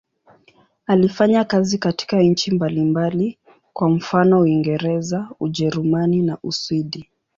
Alifanya kazi katika nchi mbalimbali, kwa mfano Uingereza, Ujerumani na Uswidi.